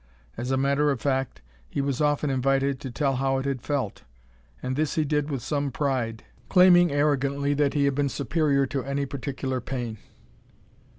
As a matter of fact, he was often invited to tell how it had felt, and this he did with some pride, claiming arrogantly that he had been superior to any particular pain.